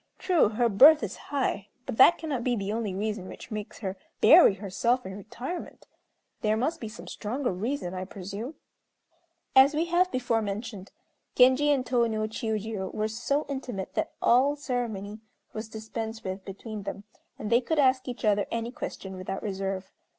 True, her birth is high; but that cannot be the only reason which makes her bury herself in retirement. There must be some stronger reason, I presume." As we have before mentioned, Genji and Tô no Chiûjiô were so intimate that all ceremony was dispensed with between them, and they could ask each other any question without reserve.